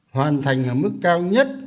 hoàn thành ở mức cao nhất